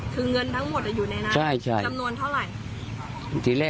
คือเงินทั้งหมดอยู่ในนั้น